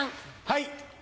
はい。